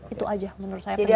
itu aja menurut saya